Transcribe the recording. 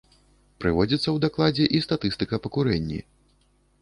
Прыводзіцца ў дакладзе і статыстыка па курэнні.